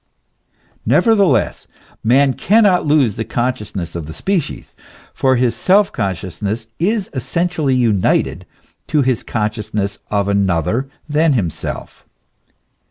Nevertheless man cannot lose the consciousness of the species, for his self consciousness is essentially united to his consciousness of another than himself.